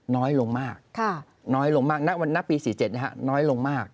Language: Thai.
น้อยลงมากนักปี๔๗น้อยลงมาก